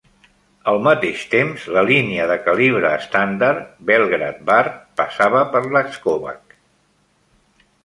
Al mateix temps, la línia de calibre estàndard Belgrad-Bar passava per Lajkovac.